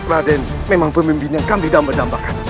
raden memang pemimpin yang kami dah merdambakan